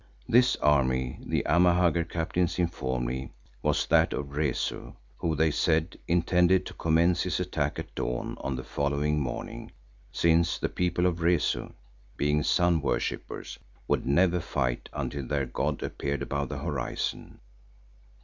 This army, the Amahagger captains informed me, was that of Rezu, who, they said, intended to commence his attack at dawn on the following morning, since the People of Rezu, being sun worshippers, would never fight until their god appeared above the horizon.